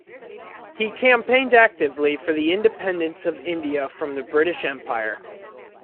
He campaigned actively for the independence of India from the British Empire.